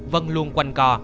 vân luôn quanh co